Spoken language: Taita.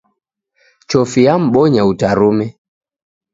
Chofi yambonya utarume.